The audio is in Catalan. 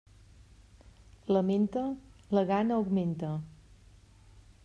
La menta, la gana augmenta.